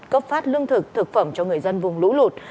cấp phát lương thực thực phẩm cho người dân vùng lũ lụt